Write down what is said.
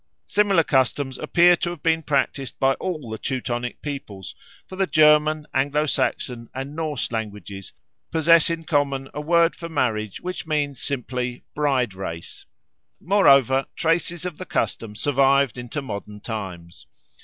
Similar customs appear to have been practised by all the Teutonic peoples; for the German, Anglo Saxon, and Norse languages possess in common a word for marriage which means simply bride race. Moreover, traces of the custom survived into modern times.